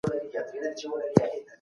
د دي څخه بل لوی امتیاز انسان ته نسته.